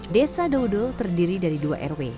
desa doudo terdiri dari dua rw